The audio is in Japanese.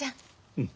うん。